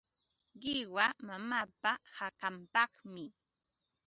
Qiwa mamaapa hakanpaqmi.